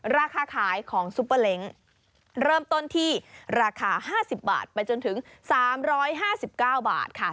ราคาขายของซุปเปอร์เล้งเริ่มต้นที่ราคา๕๐บาทไปจนถึง๓๕๙บาทค่ะ